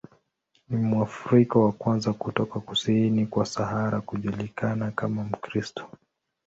Ni Mwafrika wa kwanza kutoka kusini kwa Sahara kujulikana kama Mkristo.